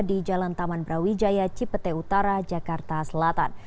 di jalan taman brawijaya cipete utara jakarta selatan